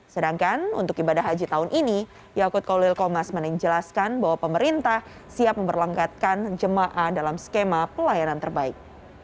sedangkan untuk ibadah haji tahun ini yakut kolil komas menjelaskan bahwa pemerintah siap memperlengkatkan jemaah dalam skema pelayanan terbaik